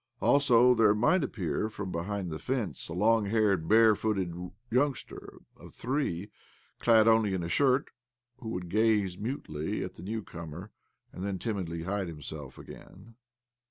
AlsOj there might appear from behind the fence a long haired, barefooted youngster of three, clad only in a shirt, who would gaze mutely at the new comer, and then timidly hide himself again.